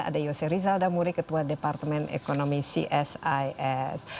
ada yose rizal damuri ketua departemen ekonomi csis